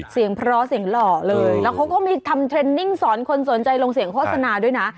เสียงเพราะเสียงหล่อเลยแล้วเขาก็มีทำเทรนนิ่งสอนคนสนใจลงเสียงโฆษณาด้วยนะ